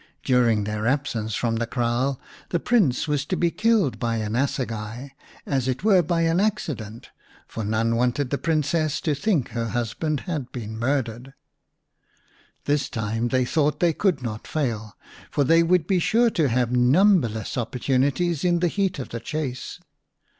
During their absence from the kraal the Prince was to be killed by an assegai, as it were by an accident, for none wanted the Princess to think her husband had been murdered. This time they thought they could not fail, for they would be sure to have numberless opportunities in the heat of the chase.